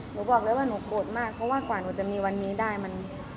หนูบอกเลยว่าหนูโกรธมากเพราะว่ากว่าหนูจะมีวันนี้ได้มัน